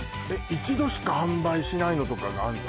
一度しか販売しないのとかがあんの？